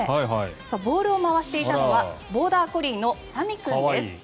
ボールを回していたのはボーダー・コリーのサミ君です。